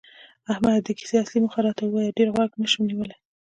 احمده! د کیسې اصلي موخه راته وایه، ډېر غوږ نشم نیولی.